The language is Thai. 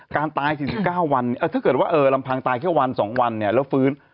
การตาย๔๙วันถ้าเกิดว่าลำพังตายแค่วัน๒วันเนี่ยแล้วฟื้น